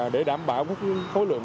để đảm bảo khối lượng